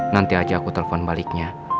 nanti aja aku telpon baliknya